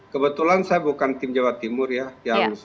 kebetulan saya bukan tim jawa timur ya